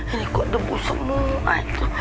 ini kok debu semua